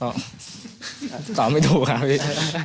ก็ตอบไม่ถูกค่ะพี่